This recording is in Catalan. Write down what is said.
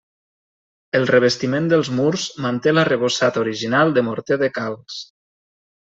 El revestiment dels murs manté l'arrebossat original de morter de calç.